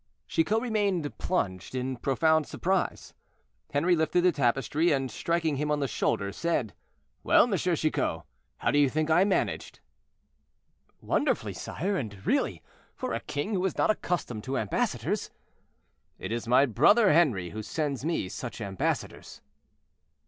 Chicot remained plunged in profound surprise. Henri lifted the tapestry, and, striking him on the shoulder, said: "Well, M. Chicot, how do you think I managed?" "Wonderfully, sire; and really, for a king who is not accustomed to ambassadors—" "It is my brother Henri who sends me such ambassadors."